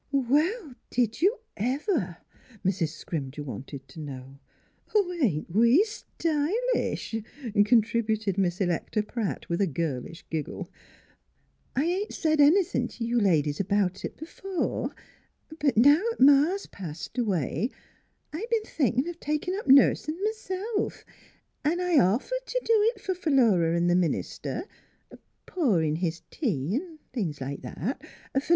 " Well ! did you ever? " Mrs. Scrimger wanted to know. " Ain't we stylish !" contributed Miss Electa Pratt, with a girlish giggle. " I ain't said any thin' t' you ladies about it b'fore, but now 'at ma's passed away I b'en thinkin' of takin' up nursin', myself, an' I ofered t' do f'r Philura 'n' th' minister pourin' his tea 'n' like that f'r nothin'.